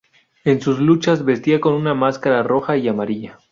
En sus luchas vestía con una máscara roja y amarilla.